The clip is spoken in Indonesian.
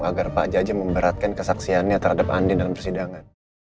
agar pak jaja memberatkan kesaksiannya terhadap andi dalam persidangan